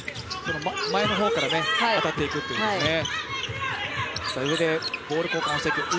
前の方から当たっていくということですね。